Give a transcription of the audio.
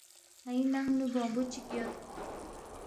ن٘ئی ننگ نُو بونگبُو چِک یود